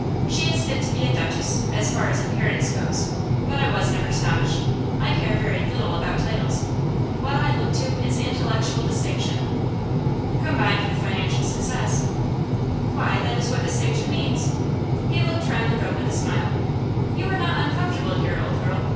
She is fit to be a duchess, as far as appearance goes; but I was never snobbish. I care very little about titles; what I look to is intellectual distinction.' 'Combined with financial success.' 'Why, that is what distinction means.' He looked round the room with a smile. 'You are not uncomfortable here, old girl.